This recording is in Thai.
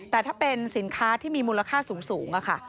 แต่ถ้าเป็นสินค้าที่มีมูลค่าสูงค่ะ